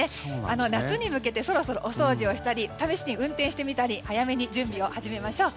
夏に向けてそろそろお掃除をしたり試しに運転してみたり早めに準備を始めましょう。